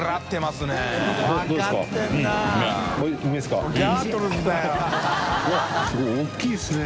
すごい大きいですね。